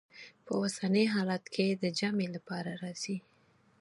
په اوسني حالت کې د جمع لپاره راځي.